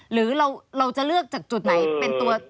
หรือเราจะเลือกจากจุดไหนเป็นตัว